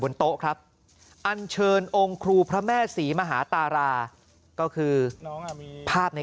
โต๊ะครับอันเชิญองค์ครูพระแม่ศรีมหาตาราก็คือภาพใน